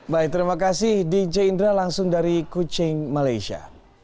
baik terima kasih dj indra langsung dari kuching malaysia